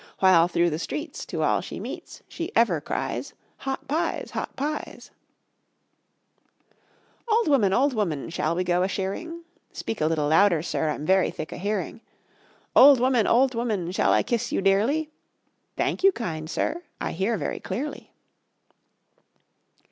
While through the streets, To all she meets She ever cries: "Hot Pies Hot Pies." "Old woman, old woman, shall we go a shearing?" "Speak a little louder, sir, I'm very thick o' hearing." "Old woman, old woman, shall I kiss you dearly?" "Thank you, kind sir, I hear very clearly."